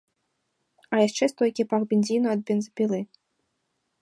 А яшчэ стойкі пах бензіну ад бензапілы!